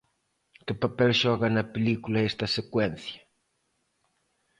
Que papel xoga na película esta secuencia?